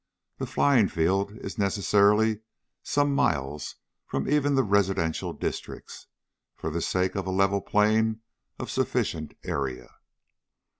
The flying field is necessarily some miles from even the residential districts, for the sake of a level plain of sufficient area.